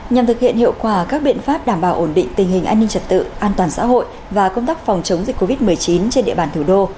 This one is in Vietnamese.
nhằm thực hiện hiệu quả các biện pháp đảm bảo ổn định tình hình an ninh trật tự an toàn xã hội và công tác phòng chống dịch covid một mươi chín trên địa bàn thủ đô